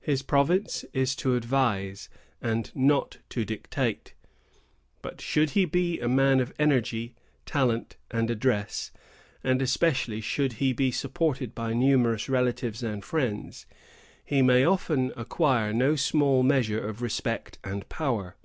His province is to advise, and not to dictate; but, should he be a man of energy, talent, and address, and especially should he be supported by numerous relatives and friends, he may often acquire no small measure of respect and power.